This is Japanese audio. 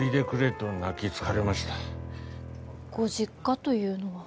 ご実家というのは。